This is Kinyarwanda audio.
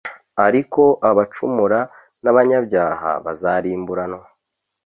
Ariko abacumura n’abanyabyaha bazarimburanwa